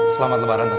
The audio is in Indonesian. selamat lebaran pak ria